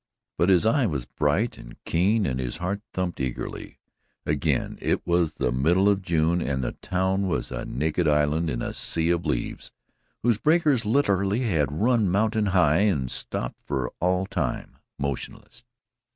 But his eye was bright and keen and his heart thumped eagerly. Again it was the middle of June and the town was a naked island in a sea of leaves whose breakers literally had run mountain high and stopped for all time motionless.